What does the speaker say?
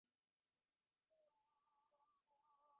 মাথায় চাবুকের বারি দেয়া হয় তাকে!